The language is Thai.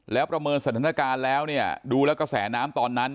แล้วประเมินสถานการณ์แล้วเนี่ยดูแล้วกระแสน้ำตอนนั้น